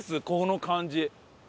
この感じ。